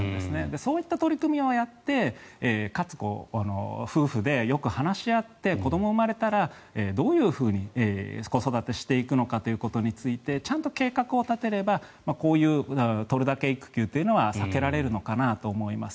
そういった取り組みをやってかつ夫婦でよく話し合って子どもが生まれたらどういうふうに子育てしていくのかについてちゃんと計画を立てればこういうとるだけ育休というのは避けられるのかなと思います。